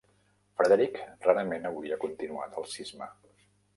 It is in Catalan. Frederick rarament hauria continuat el cisma.